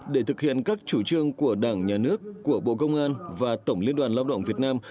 để thực hiện các chủ trương của đảng nhà nước của bộ công an và tổng liên đoàn lao động việt nam